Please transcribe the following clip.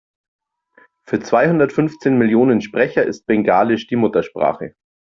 Für zweihundert-fünfzehn Millionen Sprecher ist Bengalisch die Muttersprache.